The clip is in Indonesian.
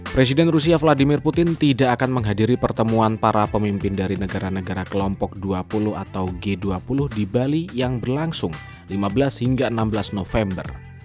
presiden rusia vladimir putin tidak akan menghadiri pertemuan para pemimpin dari negara negara kelompok dua puluh atau g dua puluh di bali yang berlangsung lima belas hingga enam belas november